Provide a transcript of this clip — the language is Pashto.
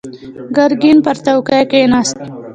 ګرګين پر څوکۍ کېناست.